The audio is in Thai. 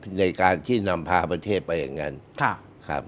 ในการที่นำพาประเทศไปอย่างนั้นครับ